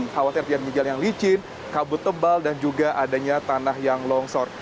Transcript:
khawatir di jalan jalan yang licin kabut tebal dan juga adanya tanah yang longsor